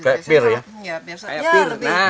kayak pear ya